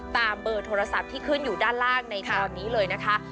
เบอร์โทรศัพท์ที่ขึ้นอยู่ด้านล่างในตอนนี้เลยนะคะ